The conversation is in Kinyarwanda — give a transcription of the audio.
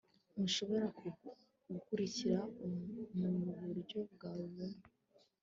Ntushobora gukurikira muburyo bwawe bumwe